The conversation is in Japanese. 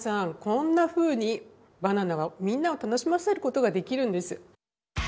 こんなふうにバナナはみんなを楽しませることができるんです。